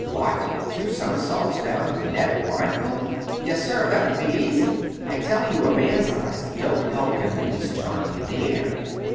"What, two somersaults down to the net, blindfolded?" "Yes, sir, that would be easy. I tell you a man's eyes don't help him when he's turning in the air.